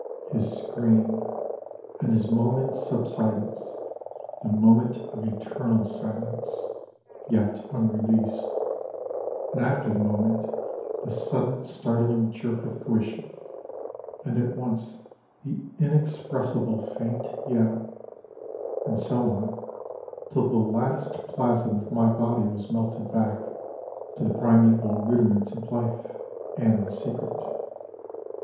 His scream, and his moment's subsidence, The moment of eternal silence, Yet unreleased, and after the moment, the sudden, startling jerk of coition, and at once The inexpressible faint yell And so on, till the last plasm of my body was melted back To the primeval rudiments of life, and the secret.